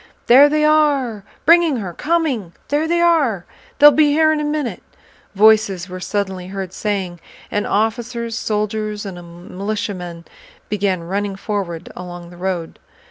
"There they are... bringing her, coming... There they are... They'll be here in a minute..." voices were suddenly heard saying; and officers, soldiers, and militiamen began running forward along the road.